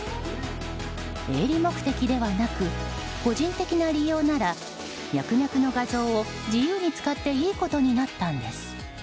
営利目的ではなく個人的な利用ならミャクミャクの画像を自由に使っていいことになったんです。